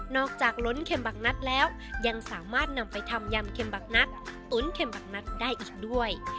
จากล้นเข็มบักนัดแล้วยังสามารถนำไปทำยำเข็มบักนัดตุ๋นเข็มบักนัดได้อีกด้วย